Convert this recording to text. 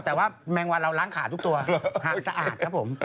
แต่ว่าแมงวันเราล้างขาทุกตัวหางสะอาดครับผม